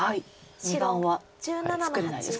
２眼は作れないですね。